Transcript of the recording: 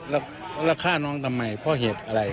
แล้วฆ่าน้องทำไมเพราะเหตุอะไร